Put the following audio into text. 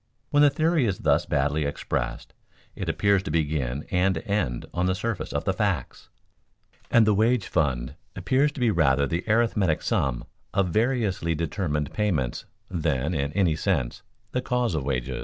When the theory is thus baldly expressed, it appears to begin and end on the surface of the facts; and the wage fund appears to be rather the arithmetic sum of variously determined payments than, in any sense, the cause of wages.